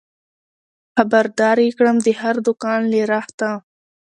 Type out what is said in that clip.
خبر دار يې کړم د هر دوکان له رخته